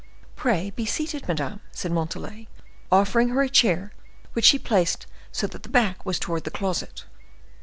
"Pray be seated, madame," said Montalais, offering her a chair, which she placed so that the back was towards the closet.